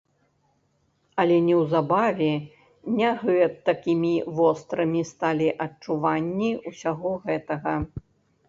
Але неўзабаве не гэтакімі вострымі сталі адчуванні усяго гэтага.